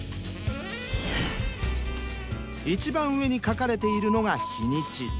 一番上に書かれているのが日にち。